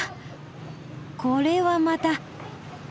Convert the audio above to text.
これはまた！